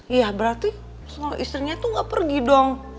ya berarti kalo istrinya tuh ga pergi dong